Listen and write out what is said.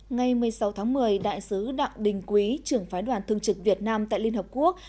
ngày một mươi sáu tháng một mươi đại sứ đặng đình quý trưởng phái đoàn thương trực việt nam tại liên hợp quốc